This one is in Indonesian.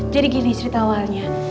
jadi gini cerita awalnya